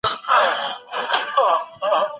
طعنه وهل په اسلام کي ناوړه عمل دی.